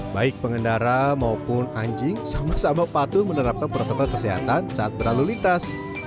baik pengendara maupun anjing sama sama patuh menerapkan protokol kesehatan saat berlalu lintas